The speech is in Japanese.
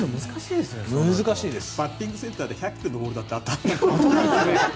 バッティングセンターで１００キロのボールだって当たらない。